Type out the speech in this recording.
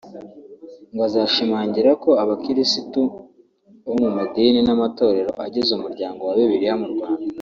ngo azashimangira ko abakirisitu bo mu madini n’amatorero agize umuryango wa Bibiliya mu Rwanda